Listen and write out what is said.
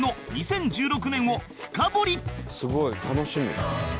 「すごい」「楽しみ」